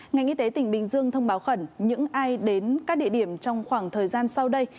ngành y tế tỉnh bình dương thông báo khẩn những ai đến các địa điểm trong khoảng thời gian sau đây